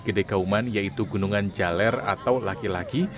gede kauman yaitu gunungan jaler atau laki laki